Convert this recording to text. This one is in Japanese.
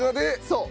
そう！